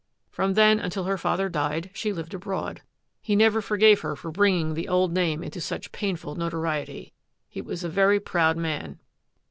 From then until her father died she lived abroad. He never forgave her for DETECTIVE METHODS 841 bringing the old name into such painful notoriety. He was a very proud man."